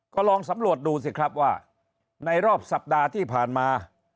ก็ลองสำรวจดูสิครับว่าในรอบสัปดาห์ที่ผ่านมา